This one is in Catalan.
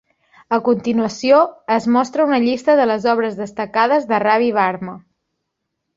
A continuació es mostra una llista de les obres destacades de Ravi Varma.